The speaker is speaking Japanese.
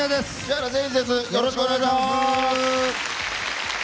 よろしくお願いします。